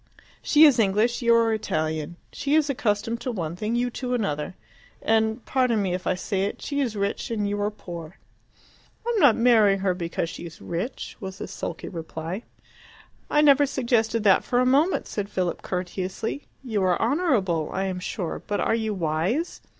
She is English, you are Italian; she is accustomed to one thing, you to another. And pardon me if I say it she is rich and you are poor." "I am not marrying her because she is rich," was the sulky reply. "I never suggested that for a moment," said Philip courteously. "You are honourable, I am sure; but are you wise?